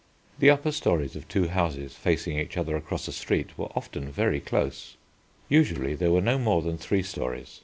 The upper storeys of two houses facing each other across a street were often very close. Usually there were no more than three storeys.